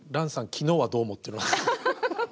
昨日はどうも」っていうのが。